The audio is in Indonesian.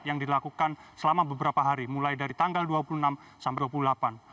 yang dilakukan selama beberapa hari mulai dari tanggal dua puluh enam sampai dua puluh delapan